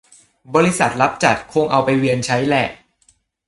บริษัทรับจัดคงเอาไปเวียนใช้แหละ